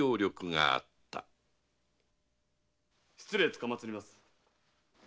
・失礼つかまつります。